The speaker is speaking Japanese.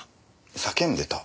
叫んでた？